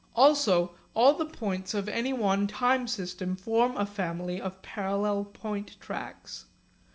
Also all the points of any one time system form a family of parallel point tracks.